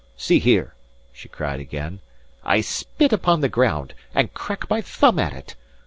See here!" she cried again "I spit upon the ground, and crack my thumb at it!